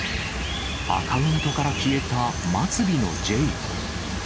アカウントから消えた末尾のｊ。